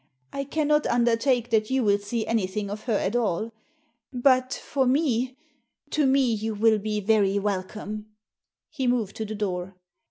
I cannot undertake that you will see anything of her at all. But, for me — to me you will be very welcome." He moved to the door.